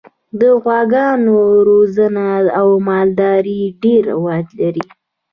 د غواګانو روزنه او مالداري ډېر رواج لري.